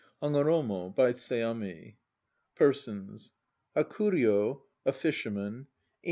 '77 HAGOROMO By SEAMI PERSONS HAKURYO (a Fisherman).